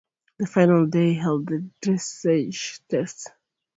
The final day held the dressage test.